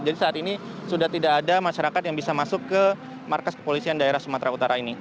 jadi saat ini sudah tidak ada masyarakat yang bisa masuk ke markas kepolisian daerah sumatera utara ini